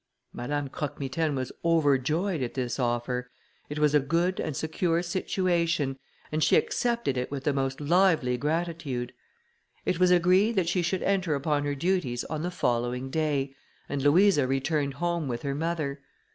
Madame Croque Mitaine was overjoyed at this offer; it was a good and secure situation, and she accepted it with the most lively gratitude. It was agreed that she should enter upon her duties on the following day, and Louisa returned home with her mother.